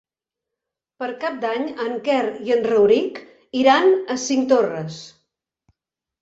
Per Cap d'Any en Quer i en Rauric iran a Cinctorres.